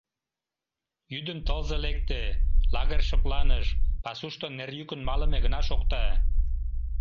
йӱдым тылзе лекте, лагерь шыпланыш, пасушто нер йӱкын малыме гына шокта.